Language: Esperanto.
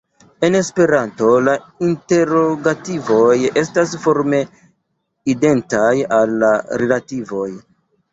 En Esperanto, la interogativoj estas forme identaj al la rilativoj.